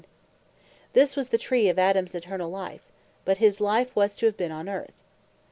This was the tree of Adams Eternall life; but his life was to have been on Earth.